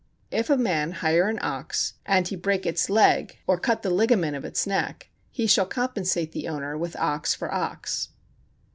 If a man hire an ox, and he break its leg or cut the ligament of its neck, he shall compensate the owner with ox for ox.